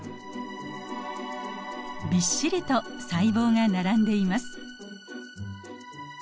びっしりと細胞が並んでいます。